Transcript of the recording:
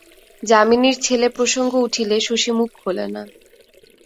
যামিনীর ছেলে প্রসঙ্গ উঠিলে শশী মুখ খোলে না।